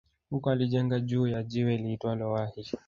Huko alijenga juu ya jiwe liitwalo Wahi